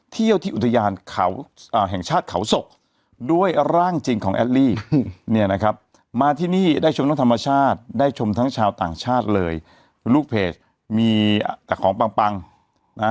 ทั้งชาวต่างชาติเลยลูกเพจมีอ่ามีอ่าแตกของปังปังนะ